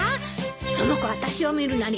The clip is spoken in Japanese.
その子あたしを見るなり